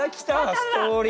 ストーリー！